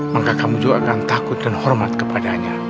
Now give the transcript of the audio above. maka kamu juga akan takut dan hormat kepadanya